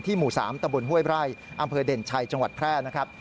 หมู่๓ตะบนห้วยไร่อำเภอเด่นชัยจังหวัดแพร่นะครับ